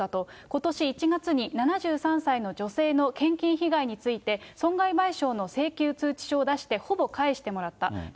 ことし１月に７３歳の女性の献金被害について、損害賠償の請求通知書を出してほぼ返してもらった。